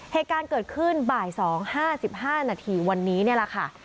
เหตุการณ์เกิดขึ้นบ่าย๒๕๕นาทีวันนี้นี่แหละค่ะ